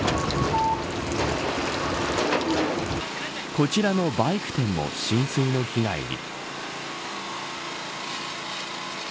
こちらのバイク店も浸水の被害に。